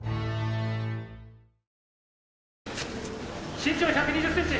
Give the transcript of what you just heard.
・身長１２０ｃｍ